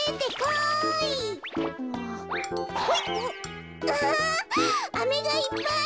わあ飴がいっぱい。